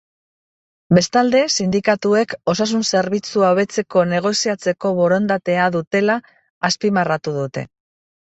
Bestalde, sindikatuek osasun zerbitzua hobetzeko negoziatzeko borondatea dutela azpimarratu dute.